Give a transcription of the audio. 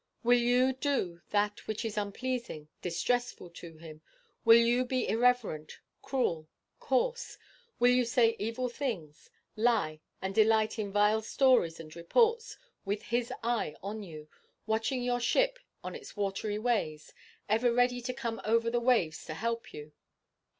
Will you do that which is unpleasing, distressful to him? Will you be irreverent, cruel, coarse? Will you say evil things, lie, and delight in vile stories and reports, with his eye on you, watching your ship on its watery ways, ever ready to come over the waves to help you?